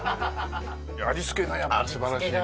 味付けがやっぱ素晴らしいね。